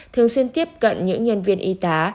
thường xuyên tiếp cận những nhân viên y tá